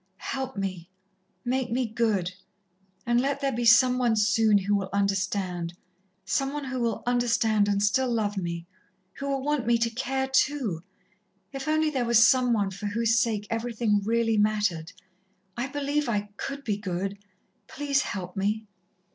"Help me ... make me good ... and let there be some one soon who will understand ... some one who will understand and still love me ... who will want me to care too ... If only there was some one for whose sake everything really mattered, I believe I could be good.... Please help me...."